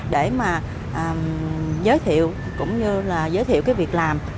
để mà giới thiệu cũng như là giới thiệu cái việc làm